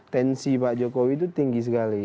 tensi pak jokowi itu tinggi sekali